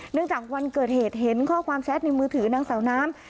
จากวันเกิดเหตุเห็นข้อความแชทในมือถือนางสาวน้ำ